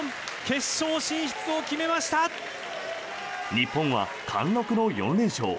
日本は貫禄の４連勝。